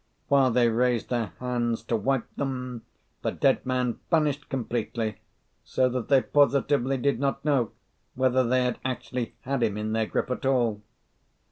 While they raised their hands to wipe them, the dead man vanished completely, so that they positively did not know whether they had actually had him in their grip at all.